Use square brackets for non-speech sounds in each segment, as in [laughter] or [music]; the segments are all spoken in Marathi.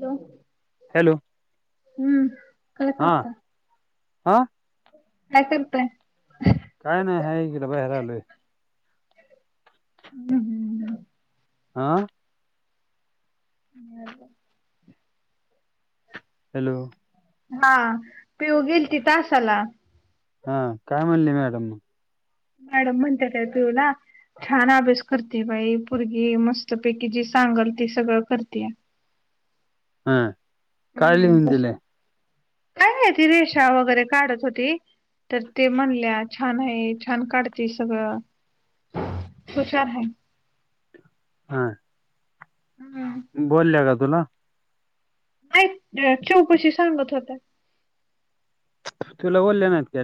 हॅलो हॅलो हम्म काय हा करता हा. काय करतय. काय नाही आहे कलं बाहेरालोय. हम्म हम् हम आा ह् हॅलो हा पिऊ गेल ती तासाला हा काय म्हणली मॅडम मॅडममंतारय तुला छान अभ्यास करते बाई परगी मस्तपैकी जी सांगल ती सगळं करते हा काय हम्म लिहून दिलंय काय नाही ती रेषा वगैरे काढत होती तर ते म्हणल्या छान आहे छान काढते सगळं खुशार आहे हा हम्म बोलल्या का तुला मा चौकशी सांगत होत्या तुला बोलल्या ना कय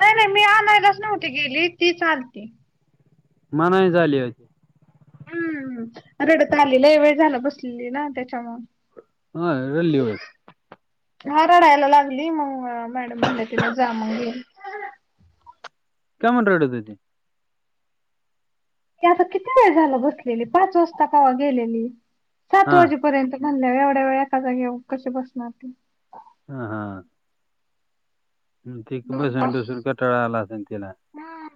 नाही नाही मी आणायलाच नव्हती गेली ती चालते मना झाली होती हम्म रडत आलेलं वेळ झाला बसलेली ना त्याच्यामु हा रल्ली होयत हा रडायला लागली मग मॅडम म्हणले तिनं जा मग केमन रेडत होती ते आता किती वेळ झाला बसलेली पाच वाजता पावा गेलेली सात हा वाजे पर्यंत घल्या एवढ्या वेळ एखादा घेऊ कशी बसणार ते हा हा त बसून बसून कटाळा आला असेन तिला ह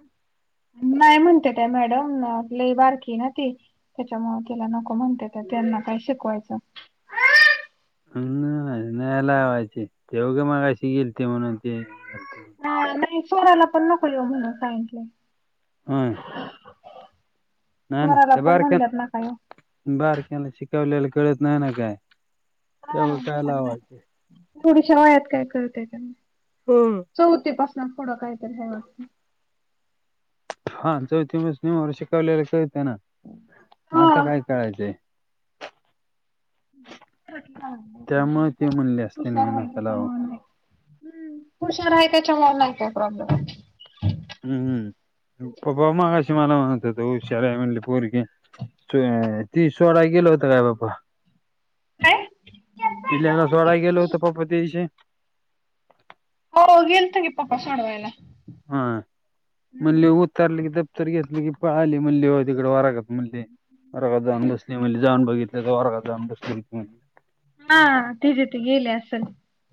नाही म्हणते त्या मॅडम आपली बारकी ना ती त्याच्यामुळे तिला नको म्हणते तर त्यांना काय शिकवायचं ह् नाहीला हवायचे तेवघं मग अशी गेल ते म्हणून ते झालते हा नाही सोराला पण नकोल ये म्हण सायंटलं हा नाही ना तुमारला त्या पण बारक्या म्हणल्यात ना काय बारक्याला शिकवलेला कळत नाही ना काय त्यामुळे काय लावायचं थोडीश वायात काय करतेय त्यांना हम्म चौथीपासून पुढं काहीतरी हे वाटत हा चौथी मस नम ववर शिकवलेलं कळते ना आता हा. काय करायचंय त्यामुळे ते काही म्हणले असते हुशार नाही व्हाय नका त्याच लावू मन आहे हम् हुशार आहे त्याच्यामुळे नाही काय प्रॉब्लेम हम्म पप माकाशी मला मातात हशार म्हली पोरिक ती शोराा गेला होता काय बापा काय पिलाला सवळाा गेलो होत पपतीचे हो गेल तंगी पप सोडवायला म्हणज हो तरली की दप्तर घेतली की पळाली मल्ली [unintelligible] तिकडं वर्गात मल्ली वर्गात जाऊन बसली [unintelligible] जाऊन बघितलं तवा वर्गात जाऊन बसली हा तीज ती गेल्या असल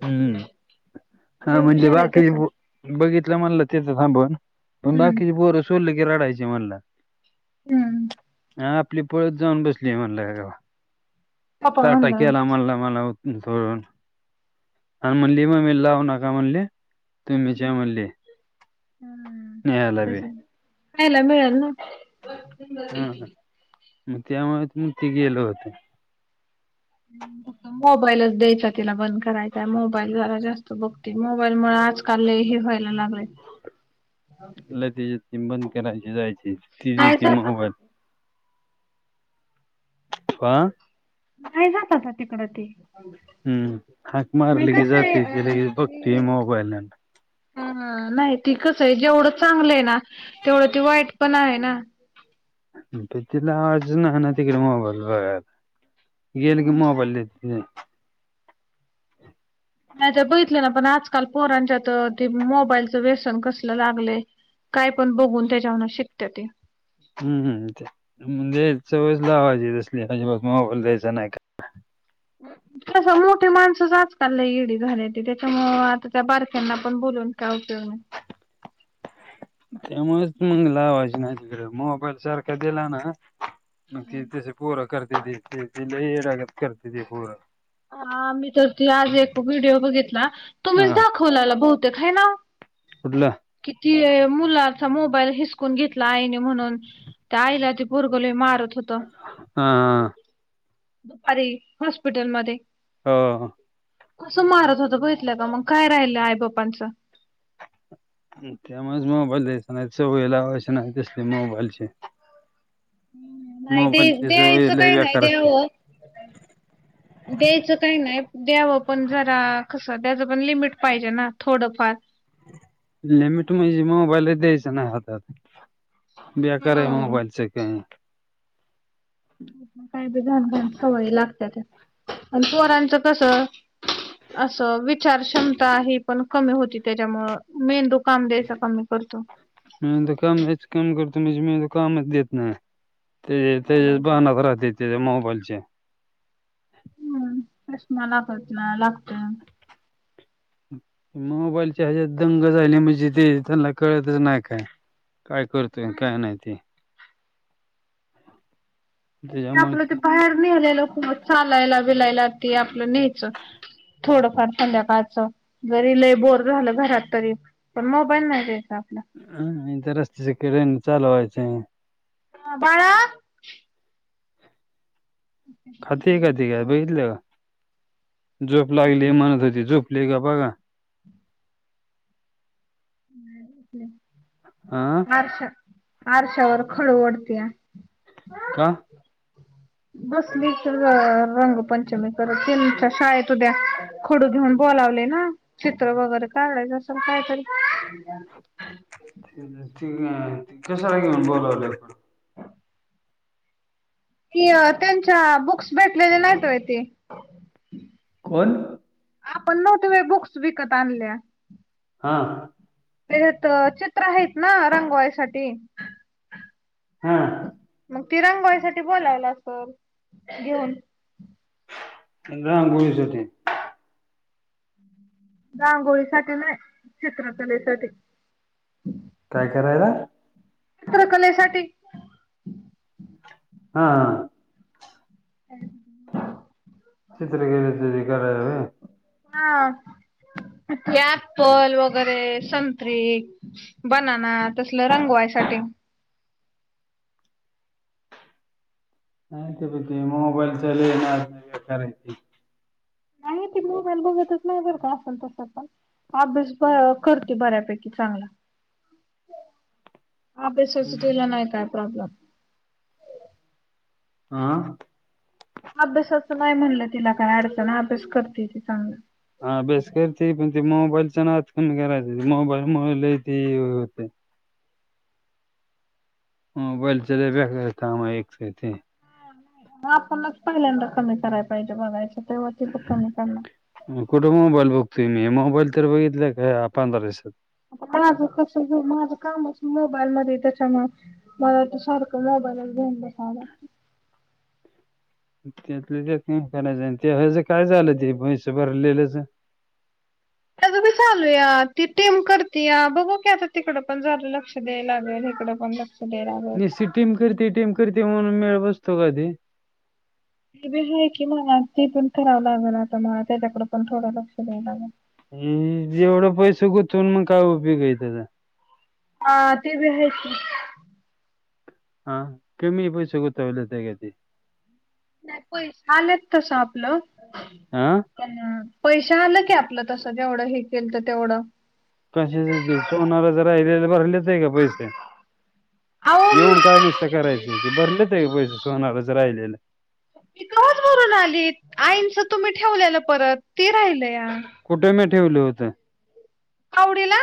हम्म हा लय म्हणले हुशार आय बाकी तसं बघितलं म्हणलं तेथं ांबून हम्म बाकीची बोरं सडलं की रडायची म्हणलं हम् हा आपली पळत जाऊन बसली म्हणला तव्हा. पप्पा ताटा म्हणलाय केला म्हणला. [unintelligible] हा म्हणली, मम्मीला लावु नका म्हणली. तुम्हीच या म्हणली हम्म. न्यायला बी. तसे खायला मिळल ना. म त्यामुळं त म ते गेलं होतं. [unintelligible] मोबाईलच द्यायचा तिला बंद करायचा. मोबाईल जरा जास्त बघती. मोबाईलमुळं आज काल लय हे व्हायला लागलय. तिला ती ती बंद करायची जायची, तिच नाही देती जात आता मोबाईल. ते, आं? नाही जात आता तिकडं ती. हं. हाक मारली की आहे जातंय ती. अ लगेच बघतंय मोबाईलात. अं, नाही ते कसंय जेवढं चांगलंय ना तेवढं ते वाईट पण आहे ना. ते तीला लावायचं नाही ना तिकडे मोबाईल बघायला. गेलं की मोबाईल देती नी. नायतर बघितलं ना पण आजकाल पोरांच्यात ते मोबाईलचं व्यसन कसलं लागलय. कायपण बघून तच्यावरनं शिकत्या ते. हं. ते म्हणजे सवयच लावायची तसली अजिबात मोबाईल द्यायचा नाय काय. [inaudible] कसं मोठीे माणसंच आजकाल लई येडी झाल्याती. त्याच्यामुळं आता त्या बारक्यांना पण बोलून काय उपयोग नाय. त्यामुळच मंग लावायची नाय तिकडं. मोबाईल सारखा दिला ना मग ती तसं पोरं करत्याती. ते ते लई येड्यागत करत्या ती पोरं. हा. मी तर ते आज एक व्हिडिओ बघितला. तुम्हीच हा दाखवलेला भवतेक हाय ना ओ? कुठला? कि ते मुलाचा मोबाईल हिसकून घेतला आईने म्हणून त्या आईला ते पोरगं लय मारत होतं. हं. दुपारी हॉस्पिटलमध्ये, हो हो. कसं मारत होतं, बघितलं का? मंग काय राहिलं आई बापांचं. हं. त्यामुळंच मोबाईल द्यायच नाय. सवयी लावायच्या नाय तसली मोबाईलची. हं. नाय ते मोबाईलची सवय द्यायचं लय काय नाय बेकार असते द्यावं द्यायचं काय नाय द्यावं. पण जरा कसं त्याचं पण लिमिट पाहिजे ना थोडंफार. लिमिट म्हजी मोबाईलच द्यायच नाय हातात. बेकाराय मोबाईलचं काय. काय बी घाण घाण सवयी लागत्या त्या. आन पोरांचं कस असं विचारक्षमता हे पण कमी होत त्याचमुळं. मेंदू काम द्यायचं कमी करतो. मेंदू काम द्यायचं कमी करतो, म्हणजे मेंदू कामच देत नाय. ते तेच्याच भानात राहत्या मोबाईलच्या. हं. चश्मा लागत ना लागतोय. मोबाईलच्या हेज्यात दंग झाली, म्हजी ते त्यांना कळतच नाय काय. काय करतोय काय नाय ते. त्यापेक्षा आपलं ते त्याच्यामुळे बाहेर नेलेलं बरं. चालायला बिलायला ते आपलं नेयचं. थोडंफार संध्याकाळच. जरी लय बोर झालं घरात तरी. पण मोबाईल नाही द्यायचा आपला. हां. रस्त्याच्या कडेने चालवायचे. हं. बाळा खाती का ती काय बघितलं का? झोप लागली म्हणत होती झोपली का बघा. नाय झोपली. आं? आरशावर [unintelligible] का बसली [unintelligible] रंगपंचमी करत तेनच्या शाळेत उद्या खडू घ्युन बोलावलंय ना चित्र वगैरे काढायचं असल कायतरी कशाला बोलवल्यात त्य त्यांच्या बुक्स भेटलेले नायत व्हय तेे कोण? आपण नव्ह ते व बुक्स विकत आणल्या हां तेच्यात चित्र आहेत ना रंगवायसाठी हम मग तिरंगोईसाठी बोलावला सर घेऊन गोस [unintelligible] रांगोळीसाठी नाही चित्रकलेसाठी काय करायला? चित्रकलेसाठी हा चित्रकले साठी करायला होय हा अप्पल वगैरे संत्री बनना तसल रंगवायसाठी नाही ते प ते मोबाईलचा लय नाद बेकारे नाही ते मोबाईल बघतच नाही बर का असेल तसं पण अभ्यास ब करते बऱ्यापैकी चांगला अभ्यासाचा तिला नाही काय प्रॉब्लेम आह अभ्यासाचं नाही म्हणलं तिला काय अडचण अभ्यास करते ती चांगलं अभ्यास करते पण ते मोबाईलच्या नाद कमी करायची मोबाईल मुळे लय होते. मोबाईलच लय बेकार काम आहे एकतर ते आपणच पहिल्यांदा कमी करायला पाहिजे बघायच तेव्हाती कमी करणार कुठे मोबाईल बघतोय मी मोबाईल तर बघितले काय आपण पंधरा दिसात माझ कस माझं काम असं मोबाईल मध्ये त्याच्यामुळ मला तर सारखं मोबाइल घेऊन बसाव लागत. त्यातलं ते का करायचं ते व्हाचं काय झालं ते पैसे भरलेलंच. त्याज [unintelligible] चालू या ती टीम करती या बघू की आता तिकड पण झालं लक्ष द्याय लागेल तिकड पण रा निस्ती [unintelligible] टीम करती टीम करती म्हणून मेळ बसतो कधी हे बी आहे की मग ते पण करावं लागेल आता मला त्याच्याकडे पण थोडं लक्ष द्याय लागेल एवढं पैस गुतून मग काय उपयोग आहे त्याचा अ ते भी हायस की हा कमी पैसे गुतवला सगळ्यानी नाही प हलेत तसं आपलं आ पैश आला की आपलं तस जेवढं हे केल तर तेवढं कश सोनारा राहिले ले भरले का पैसे अहो येऊन काय निस मी करायच ते भरलेच आहे की पैसे सोनारच राहिलेलं मी तवाच भरून आली आंईच तुम्ही ठेवलेलं परत ते राहिलया कुठे म ठेवलं होतं आवडीला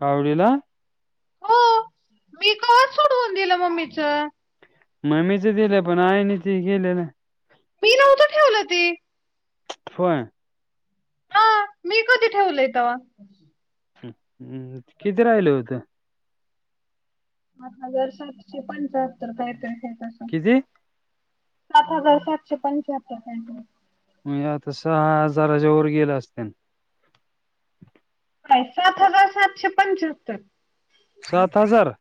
कावडीला हो मी का सोडवून दिलं मम्मीच मम्मीच दिलंय पण आईने ते केलेलं मी नव्हतं ठेवलं ते होय हा मी कधी ठेवलंय तवा हम्म किती राहिल होते सात हजार सातशे पंचाहत्तर काहीतरी अस कितीे सात हजार सातशे पंच्याहत्तर काहीतरी म्हणजे आता सहा हजाराच्या वर गेल असतील. काय सात हजार सातशे पंच्याहत्तर सात हजार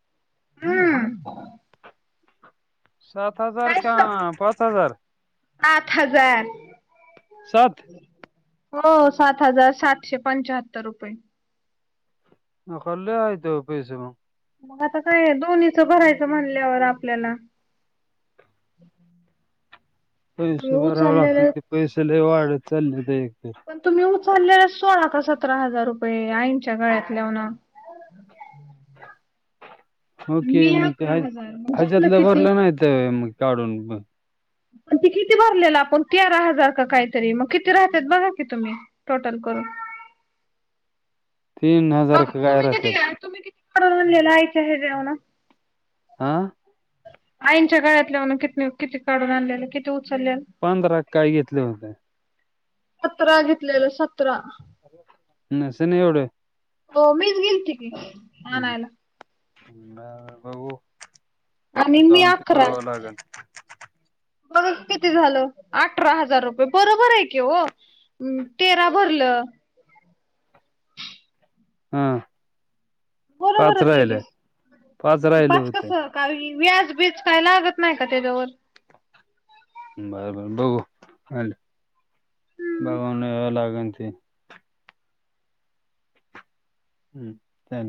हम्म सात हजार का पाच हजार आठ हजार सात हो सात हजार सातशे पंचाहत्तर रुपये खले आयत उपस म. मग आता काय आहे दोन्हीचं भरायचं म्हणल्यावर आपल्याला पैसे बऊ भरावे चालले लागते व. ते पैसे लई वाढत चाललेत एक पण तुम्ही उचललेल सोळा का सतरा हजार रुपये आईनच्या गळ्यातल हो ओके मी मग ह अकरा हजार मग झालं हयाच्यातलं किती? भरलं नाहीत व्हय काढून मग पण ते किती भरलेलं आपण तेरा हजार का काहीतरी मग किती राहत्यात बघा की तुम्ही टोटल करून तीन बघ हजार का काय तुम्ही किती राहतात तुम्ही कितीडून ललेलायच्या हजेवना आ आईनच्या गळ्यातल्यावन कि किती काढून आणलेलं किती उचललेलं पंधरात काय घेतले होते. सतरा घेतलेलं सतरा नसेल ना एवढं हो मीच गेल की आणयला भाऊ आणि जाऊन ते बघावं लागेल. बघ किती झालं अठरा हजार रुपये बरोबर आहे की हो तेरा भरलं हा पाच बरोबरच आहे की राहिले पाच राहिल होते. का व्याज बीज काय लागत नाही का त्याच्यावर बरं बर बघू बघाव लागन ते हम्म चालेल